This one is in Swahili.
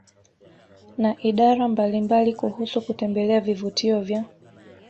na idara mbalimbalia kuhusu kutembelea vivutio vya